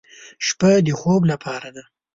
شپه د خوب لپاره ده.